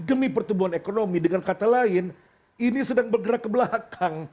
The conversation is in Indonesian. demi pertumbuhan ekonomi dengan kata lain ini sedang bergerak ke belakang